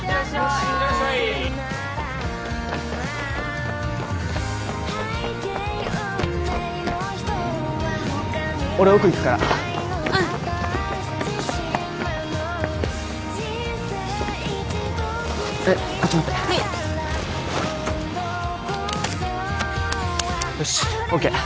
行ってらっしゃい俺奥行くからうんはいこっち持ってはいよしＯＫ